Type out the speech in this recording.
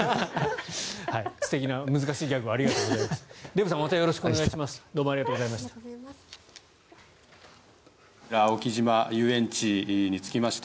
素敵な難しいギャグをありがとうございました。